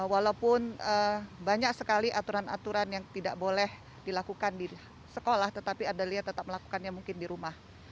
walaupun banyak sekali aturan aturan yang tidak boleh dilakukan di sekolah tetapi ardelia tetap melakukannya mungkin di rumah